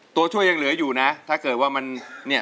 ตัวช่วยยังเหลืออยู่นะถ้าเกิดว่ามันเนี่ย